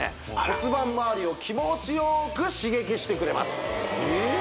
骨盤まわりを気持ちよく刺激してくれます